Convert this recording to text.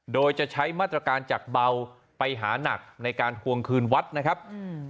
โดยจะใช้มาตรการจากเบาไปหานักในการทวงคืนวัดนะครับอืม